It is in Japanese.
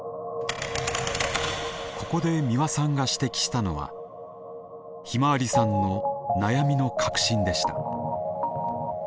ここで美輪さんが指摘したのはひまわりさんの悩みの核心でした。